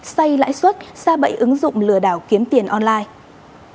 xây lãi suất xa bậy ứng dụng lừa đảo kiếm tiền online